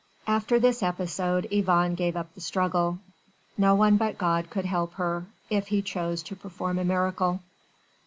After this episode Yvonne gave up the struggle. No one but God could help her, if He chose to perform a miracle.